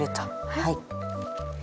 はい。